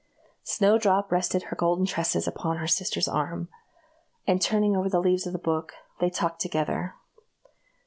Snowdrop rested her golden tresses upon her sister's arm, and, turning over the leaves of the book, they talked together.